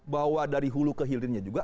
bahwa dari hulu ke hilirnya juga